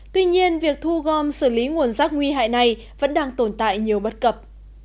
tuy nhiên việc thu gom xử lý nguồn rác nguy hại này vẫn đang tồn tại nhiều bất cập